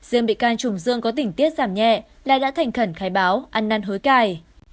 riêng bị can trùng dương có tỉnh tiết giảm nhẹ lại đã thành khẩn khai báo ăn năn hối cài